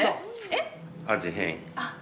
えっ？